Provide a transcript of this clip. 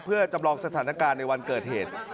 เพื่อจำลองสถานการณ์ในวันเกิดเหตุ